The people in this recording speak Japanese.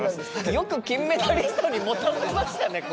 よく金メダリストに持たせましたねこれ。